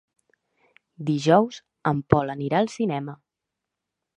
Dijous en Pol anirà al cinema.